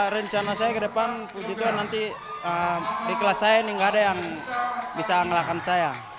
rencana saya ke depan nanti di kelas saya ini gak ada yang bisa ngelakkan saya